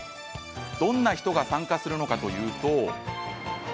どんな人が参加するのかというと。